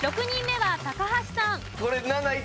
６人目は高橋さん。